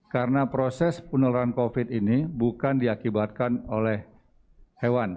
karena proses penularan covid sembilan belas ini bukan diakibatkan oleh hewan